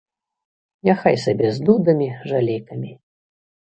Няхай сабе з дудамі жалейкамі.